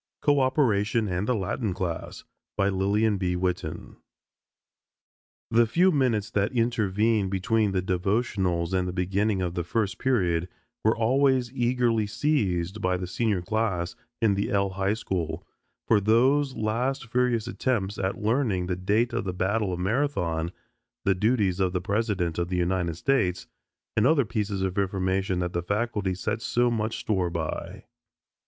CO OPERATION AND THE LATIN CLASS LILLIAN B. WITTEN The few minutes that intervened between the devotionals and the beginning of the first period were always eagerly seized by the Senior class in the L high school for those last furious attempts at learning the date of the battle of Marathon, the duties of the President of the United States, and other pieces of information that the faculty set so much store by.